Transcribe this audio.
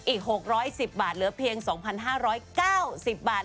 อีก๖๑๐บาทเหลือเพียง๒๕๙๐บาท